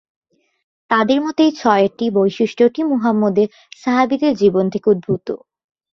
তাদের মতে, এই ছয়টি বৈশিষ্ট্যটি মুহাম্মদের সাহাবীদের জীবন থেকে উদ্ভূত।